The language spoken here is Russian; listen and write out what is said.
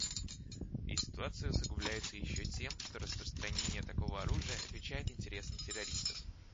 И ситуация усугубляется еще тем, что распространение такого оружия отвечает интересам террористов.